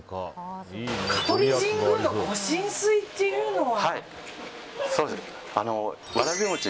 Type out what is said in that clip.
香取神宮の御神水というのは？